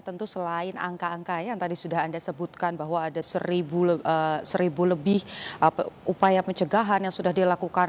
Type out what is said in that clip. tentu selain angka angka yang tadi sudah anda sebutkan bahwa ada seribu lebih upaya pencegahan yang sudah dilakukan